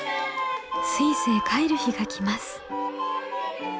スイスへ帰る日が来ます。